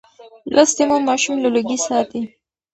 لوستې مور ماشوم له لوګي ساتي.